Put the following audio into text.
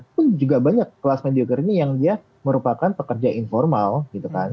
tapi juga banyak kelas mediocre ini yang dia merupakan pekerja informal gitu kan